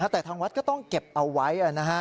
แต่ทางวัดก็ต้องเก็บเอาไว้